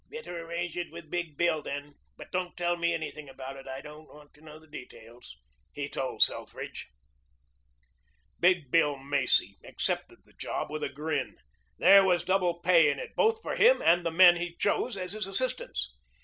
"Better arrange it with Big Bill, then, but don't tell me anything about it. I don't want to know the details," he told Selfridge. Big Bill Macy accepted the job with a grin. There was double pay in it both for him and the men he chose as his assistants.